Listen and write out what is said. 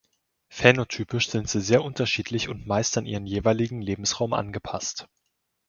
Phänotypisch sind sie sehr unterschiedlich und meist an ihren jeweiligen Lebensraum angepasst.